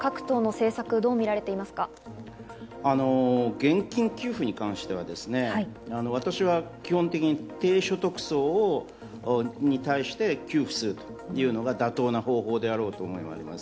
現金給付に関しては私は基本的に低所得層に給付するというのが妥当な方法であろうと思われます。